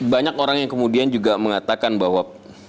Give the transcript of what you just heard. banyak orang yang kemudian juga mengatakan bahwa